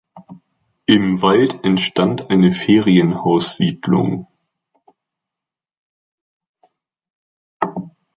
Im Wald entstand eine Ferienhaussiedlung.